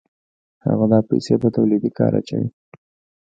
هغه دا پیسې په تولیدي کار اچوي